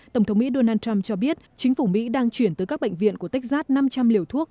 tổng thống mỹ donald trump cho biết chính phủ mỹ đang chuyển tới các bệnh viện của texas năm trăm linh liều thuốc